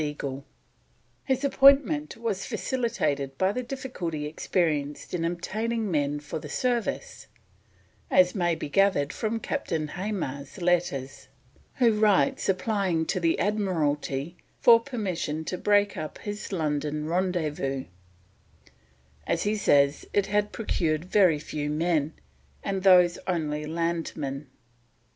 M.S. Eagle. His appointment was facilitated by the difficulty experienced in obtaining men for the Service, as may be gathered from Captain Hamar's letters, who writes applying to the Admiralty for permission to break up his London Rendezvous, as he says it has "procured very few men, and those only landsmen."